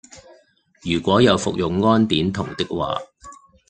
如果有服用胺碘酮的話